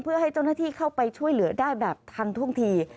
เพื่อให้เจ้าหน้าที่เข้าไปช่วยเหลือได้แบบทันท่วงที